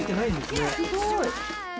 すごい。